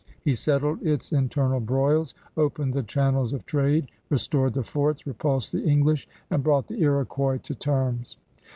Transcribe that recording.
He settled its internal broils, opened the channels of trade, restored the forts, repulsed the English, and brought the Iroquois to terms.